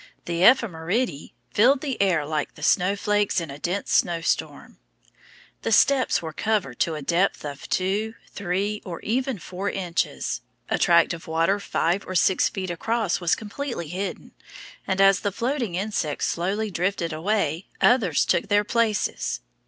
The ephemeræ filled the air like the snowflakes in a dense snowstorm. "The steps were covered to a depth of two, three, or even four inches. A tract of water five or six feet across was completely hidden, and as the floating insects slowly drifted away, others took their places.